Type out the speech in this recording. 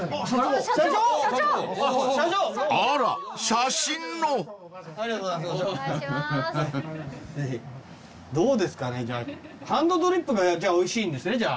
そうですね